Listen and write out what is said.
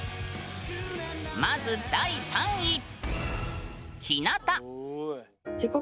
まず第３位。